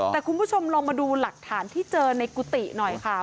แต่คุณผู้ชมลองมาดูหลักฐานที่เจอในกุฏิหน่อยค่ะ